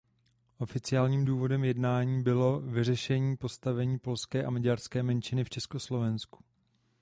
Oficiálním důvodem jednání bylo „vyřešení postavení polské a maďarské menšiny v Československu“.